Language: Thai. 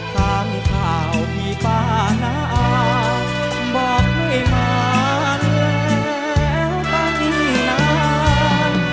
ทางข่าวพี่ป้านาอาบอกให้มานแล้วตั้งนี้นาน